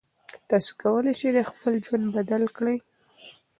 تاسو کولی شئ خپل ژوند بدل کړئ.